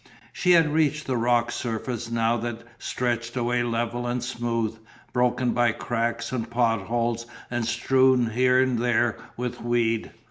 She had reached the rock surface now that stretched away level and smooth, broken by cracks and pot holes and strewn here and there with weed.